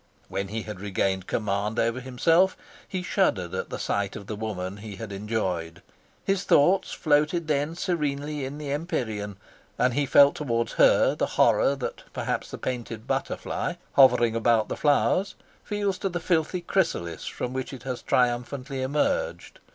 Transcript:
When he had regained command over himself, he shuddered at the sight of the woman he had enjoyed. His thoughts floated then serenely in the empyrean, and he felt towards her the horror that perhaps the painted butterfly, hovering about the flowers, feels to the filthy chrysalis from which it has triumphantly emerged.